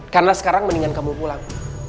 karena sekarang mendingan kamu pulang